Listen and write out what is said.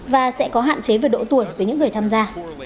và sẽ có hạn chế về độ tuổi với những người tham gia